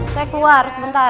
saya keluar sebentar